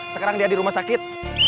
sekarang dia di rumah sakit